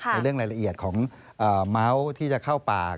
ในเรื่องรายละเอียดของเมาส์ที่จะเข้าปาก